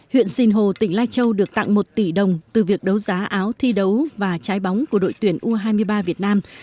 huyện sinh hồ tỉnh lai châu được tặng một tỷ đồng từ việc đấu giá áo thi đấu và trái bóng của đội tuyển u hai mươi ba việt nam